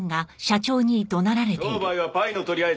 商売はパイの取り合い